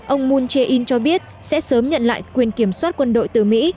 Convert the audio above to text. ông moon jae in cho biết sẽ sớm nhận lại quyền kiểm soát quân đội từ mỹ